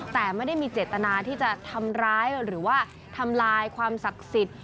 แต่ไม่ได้มีเจตนาที่จะทำร้ายหรือว่าทำลายความศักดิ์สิทธิ์